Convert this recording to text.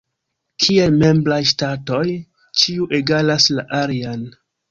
Kiel membraj ŝtatoj, ĉiu egalas la alian.